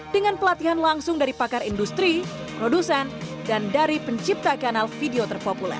dengan pelatihan langsung dari pakar industri produsen dan dari pencipta kanal video terpopuler